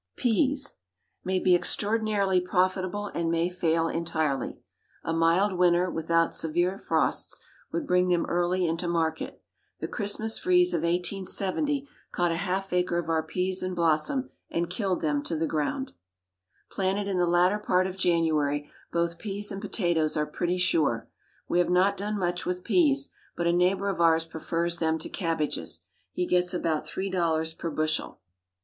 PEAS May be extraordinarily profitable, and may fail entirely. A mild winter, without severe frosts, would bring them early into market. The Christmas freeze of 1870 caught a half acre of our peas in blossom, and killed them to the ground. Planted in the latter part of January, both peas and potatoes are pretty sure. We have not done much with peas; but a neighbor of ours prefers them to cabbages. He gets about three dollars per bushel.